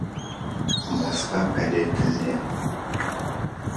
Басқа пәле тілден.